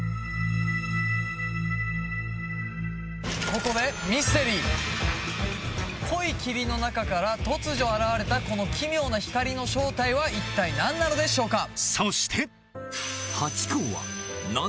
ここでミステリー濃い霧の中から突如現れたこの奇妙な光の正体は一体何なのでしょうか？